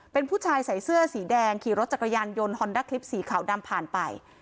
เป็นผู้ชายใส่เสื้อสีแดงขี่รถจักรยานยนต์ฮอนด้าคลิปสีขาวดำผ่านไป